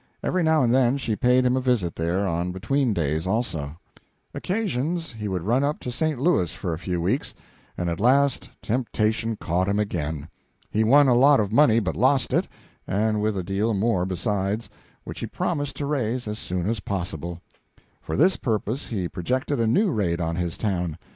Every now and then she paid him a visit there on between days also. Occasionally he would run up to St. Louis for a few weeks, and at last temptation caught him again. He won a lot of money, but lost it, and with it a deal more besides, which he promised to raise as soon as possible. For this purpose he projected a new raid on his town.